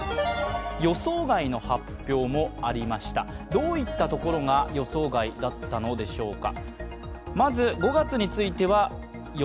どういったところが予想外だったのでしょうか。